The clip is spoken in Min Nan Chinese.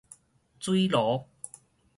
水濁